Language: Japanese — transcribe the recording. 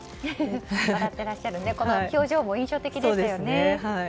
笑ってらっしゃる表情も印象的でしたね。